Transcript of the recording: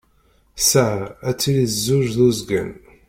Ssaɛa ad tili d zzuǧ d uzgen.